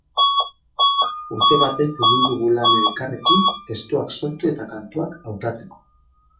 Urte batez egin dugu lan elkarrekin, testuak sortu eta kantuak hautatzeko.